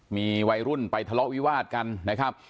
มีวัยรุ่นไปทะเลาะวิวาดกันนะครับ